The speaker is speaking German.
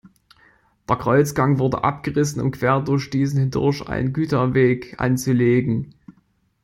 Der Kreuzgang wurde abgerissen um quer durch diesen hindurch einen Güterweg anzulegen.